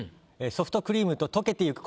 「ソフトクリームと溶けてゆく」